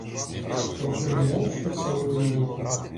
Трохим мовчки цілує руку.